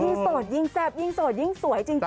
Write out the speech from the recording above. โสดยิ่งแซ่บยิ่งโสดยิ่งสวยจริง